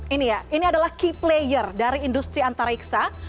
ini ya ini adalah key player dari industri antariksa